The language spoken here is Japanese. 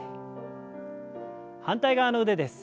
反対側の腕です。